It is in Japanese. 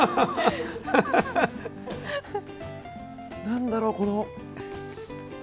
何だろう、この。